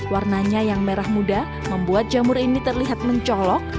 warnanya yang merah muda membuat jamur ini terlihat mencolok